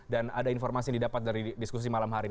dan ada informasi yang didapat dari diskusi malam hari ini